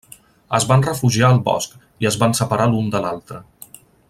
Es van refugiar al bosc, i es van separar l'un de l'altre.